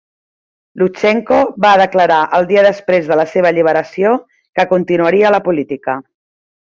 Lutsenko va declarar el dia després de la seva alliberació que "continuaria a la política".